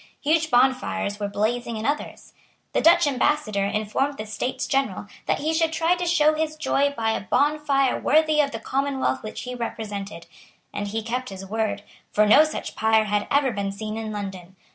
Huge bonfires were blazing in others. The Dutch ambassador informed the States General that he should try to show his joy by a bonfire worthy of the commonwealth which he represented; and he kept his word; for no such pyre had ever been seen in London.